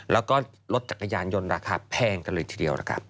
แล้วก็รถจักรยานยนต์ราคาแพงกันเลยทีเดียวนะครับ